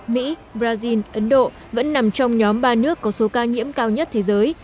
mỹ brazil ấn độ vẫn nằm trong nhóm ba nước có số ca nhiễm cao nhất thế giới